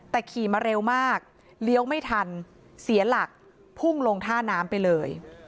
แต่ขี่มาเร็วมากเลี้ยวไม่ทันเสียหลักพุ่งลงท่าน้ำไปเลย